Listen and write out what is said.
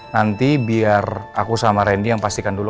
nanti biar aku sama randy yang pastikan dulu